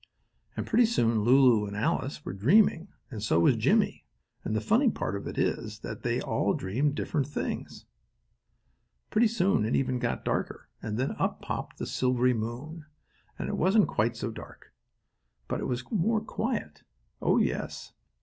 And pretty soon Lulu and Alice were dreaming and so was Jimmie, and the funny part of it is that they all dreamed different things. Pretty soon it got even darker, and then up popped the silvery moon, and it wasn't quite so dark. But it was more quiet. Oh my, yes!